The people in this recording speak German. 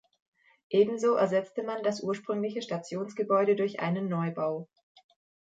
Ebenso ersetzte man das ursprüngliche Stationsgebäude durch einen Neubau.